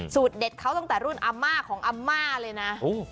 สูตรเด็ดเขาตั้งแต่รุ่นอัมม้าของอัมม้าเลยนะ